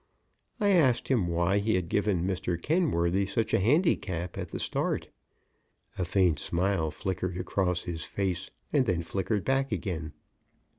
I asked him why he had given Mr. Kenworthy such a handicap at the start. A faint smile flickered across his face and then flickered back again.